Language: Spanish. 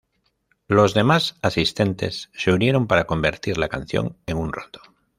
Los demás asistentes se unieron para convertir la canción en un rondó.